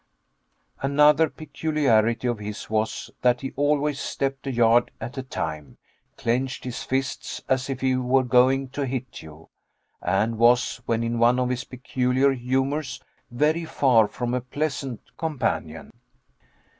Another peculiarity of his was, that he always stepped a yard at a time, clenched his fists as if he were going to hit you, and was, when in one of his peculiar humors, very far from a pleasant companion.